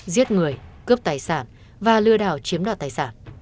giết người cướp tài sản và lừa đảo chiếm đoạt tài sản